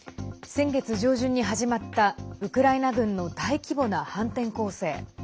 先月上旬に始まったウクライナ軍の大規模な反転攻勢。